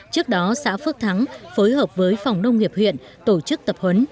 trước đó xã phước thắng phối hợp với phòng nông nghiệp huyện tổ chức tập huấn